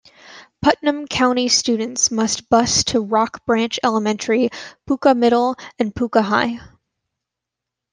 Putnam County students must bus to Rock Branch Elementary, Poca Middle, and Poca High.